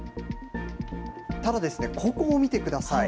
ただ、ここを見てください。